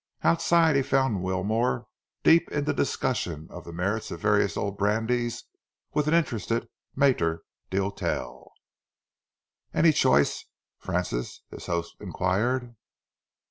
Outside, he found Wilmore deep in the discussion of the merits of various old brandies with an interested maitre d'hotel. "Any choice, Francis?" his host enquired.